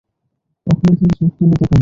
কখনো তিনি চোখ তুলে তাকান না।